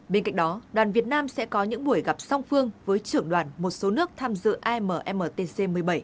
bên cạnh đó đoàn việt nam sẽ có những buổi gặp song phương với trưởng đoàn một số nước tham dự ammtc một mươi bảy